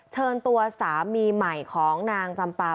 เชิญตัวสามีใหม่ของนางจำปา